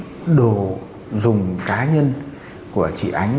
ví dụ như là đồ dùng cá nhân của chị ánh